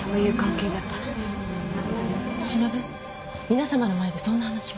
皆さまの前でそんな話は。